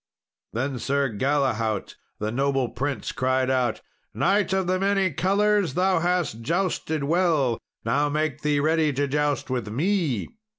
Then Sir Galahaut, the noble prince, cried out, "Knight of the many colours! thou hast jousted well; now make thee ready to joust with me."